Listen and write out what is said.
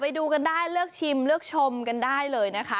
ไปดูกันได้เลือกชิมเลือกชมกันได้เลยนะคะ